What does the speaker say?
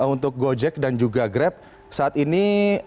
untuk gojek dan juga grab saat ini